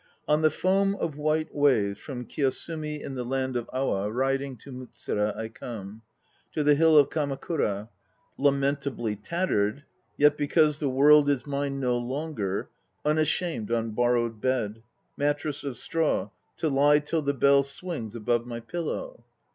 On the foam of white waves From Kiyosumi in the land of Awa riding To Mutsura I come; to the Hill of Kamakura, Lamentably tattered, yet because the World Is mine no longer, unashamed on borrowed bed, Mattress of straw, to lie till the bell swings Above my pillow.